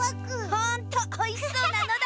ほんとおいしそうなのだ！